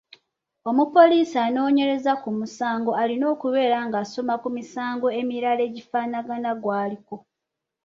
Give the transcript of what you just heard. Omupoliisi anoonyereza ku musango alina okubeera ng'asoma ku misango emirala egifanaagana gw'aliko.